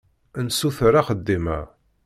Nessuter axeddim-a.